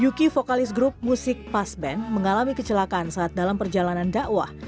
yuki vokalis grup musik pasben mengalami kecelakaan saat dalam perjalanan dakwah